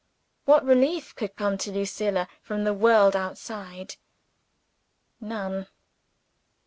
What relief could come to Lucilla from the world outside? None!